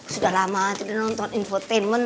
sudah lama tidak nonton infotainment